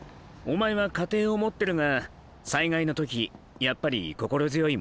お前は家庭を持ってるが災害の時やっぱり心強いものか？